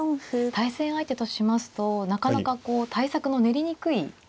対戦相手としますとなかなか対策の練りにくい。